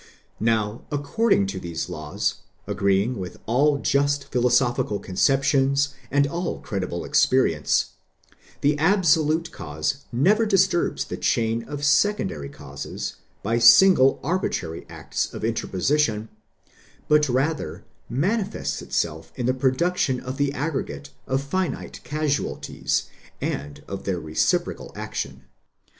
ΝΟΥ according to these laws, agree ing with all just philosophical conceptions and all credible experience, the absolute cause never disturbs the chain of secondary causes by single arbitrary acts of interposition, but rather manifests itself in the production of the aggregate of finite casualities, and of their reciprocal action.